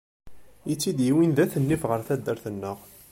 I tt-id-yewwin d at nnif ɣer taddart-nneɣ.